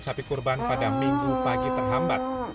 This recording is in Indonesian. sapi kurban pada minggu pagi terhambat